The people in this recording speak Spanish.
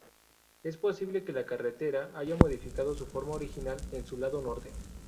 Es posible que la carretera haya modificado su forma original en su lado norte.